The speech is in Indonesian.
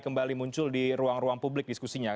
kembali muncul di ruang ruang publik diskusinya